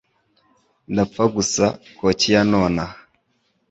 Ndapfa gusa kokiya nonaha.